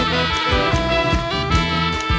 กลับไปที่นี่